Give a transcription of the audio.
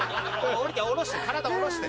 下りて下ろして体下ろして。